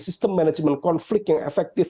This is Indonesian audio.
sistem manajemen konflik yang efektif